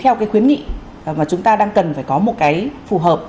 theo cái khuyến nghị mà chúng ta đang cần phải có một cái phù hợp